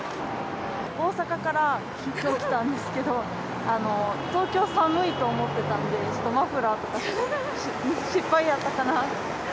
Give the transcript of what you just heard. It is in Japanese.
大阪からきょう来たんですけど、東京寒いと思ってたんで、ちょっとマフラーとか、失敗やったかな。